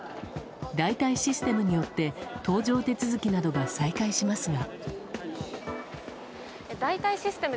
代替システムによって搭乗手続きなどが再開しますが。